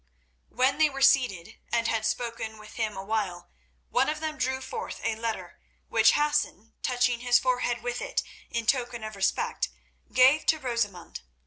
When they were seated and had spoken with him awhile, one of them drew forth a letter, which Hassan, touching his forehead with it in token of respect, gave to Rosamund.